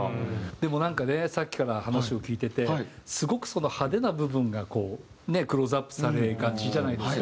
でもなんかねさっきから話を聞いててすごくその派手な部分がこうねクローズアップされがちじゃないですか。